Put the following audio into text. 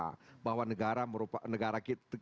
bahwa negara kita adalah negara yang berketuhanan dengan tuhan